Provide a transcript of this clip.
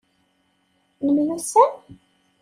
Nemyussan?